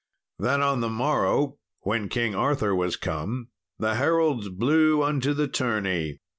Then on the morrow, when King Arthur was come, the heralds blew unto the tourney.